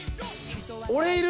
俺いる！